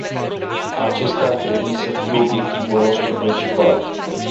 Acesta ar trebui să fie obiectivul nostru principal.